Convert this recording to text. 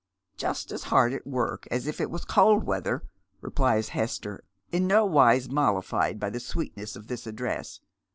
" Just as hard at work as if it was cold weather," repUes Hester, in no wise mollified by the sweetness of this address.